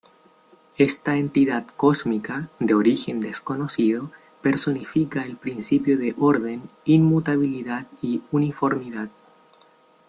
Esta entidad cósmica, de origen desconocido, personifica el principio de orden, inmutabilidad y uniformidad.